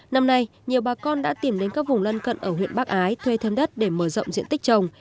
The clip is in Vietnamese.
năm nay nhiều bà con đã tìm đến các vùng lân cận ở huyện bắc ái thân đất để mở rộng diện tích trồng